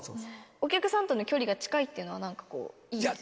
お客さんとの距離が近いというのはなんかこういいですよね。